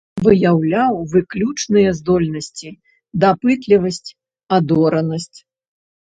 Выяўляў выключныя здольнасці, дапытлівасць, адоранасць.